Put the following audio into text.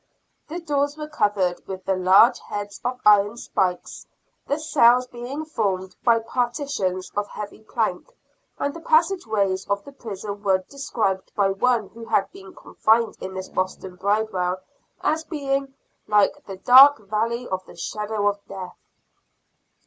The doors were covered with the large heads of iron spikes the cells being formed by partitions of heavy plank. And the passage ways of the prison were described by one who had been confined in this Boston Bridewell, as being "like the dark valley of the shadow of death."